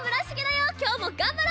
きょうもがんばろう！